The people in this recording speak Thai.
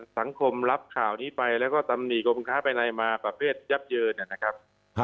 สังคมรับข่าวนี้ไปแล้วก็ตำหนิกรมค้าภายในมาประเภทยับเยินนะครับ